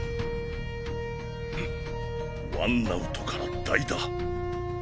ワンアウトから代打。